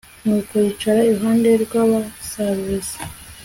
nuko yicara iruhande rw'abasaruzi